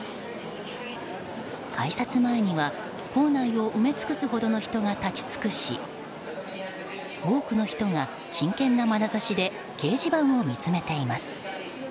改札前には構内を埋め尽くすほどの人が立ち尽くし多くの人が真剣なまなざしで掲示板を見つめています。